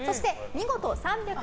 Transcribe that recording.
見事３００